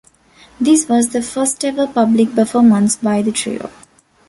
This was the first ever public performance by the trio.